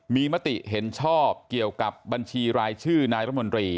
มีมติเห็นชอบเกี่ยวกับบัญชีรายชื่อนายรัฐมนตรี